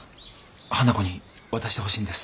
花子に渡してほしいんです。